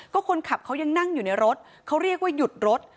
ก็คนขับเขายังนั่งอยู่ในรถเขาเรียกว่าหยุดรถ